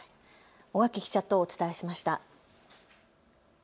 尾垣記者とお伝えしました。